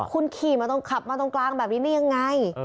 คุณขี่มาตรงกลางตรงกลางแบบนี้นี่ยังไง